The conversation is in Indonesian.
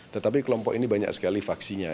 tetapi kelompok ini banyak sekali faksinya